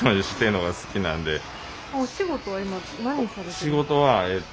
仕事はえと